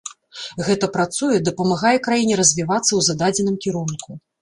Гэта працуе, дапамагае краіне развівацца ў зададзеным кірунку.